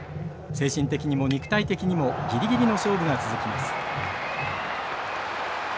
精神的にも肉体的にもギリギリの勝負が続きます。